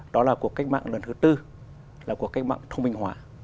đó là cuộc cách mạng lần thứ tư là cuộc cách mạng thông minh hóa